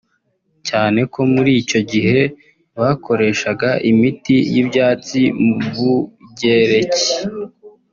cyane ko muri icyo gihe bakoreshaga imiti y’ibyatsi mu Bugereki